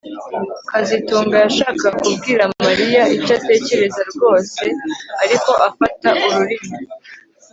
kazitunga yashakaga kubwira Mariya icyo atekereza rwose ariko afata ururimi